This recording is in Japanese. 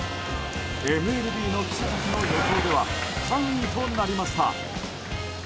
ＭＬＢの記者たちの予想では３位となりました。